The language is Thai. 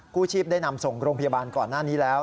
ผู้ชีพได้นำส่งโรงพยาบาลก่อนหน้านี้แล้ว